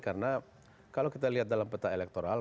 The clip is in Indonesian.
karena kalau kita lihat dalam peta elektoral